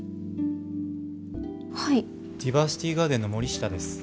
ディバーシティガーデンの森下です。